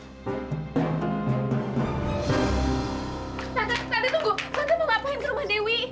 tante mau ngapain ke rumah dewi